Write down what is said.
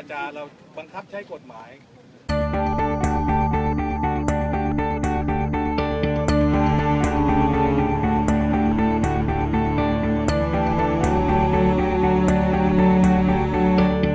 สิ้นเจรจากับช่วงของของเราเราไม่ต้องเจรจาเราบังคับใช้กฎหมาย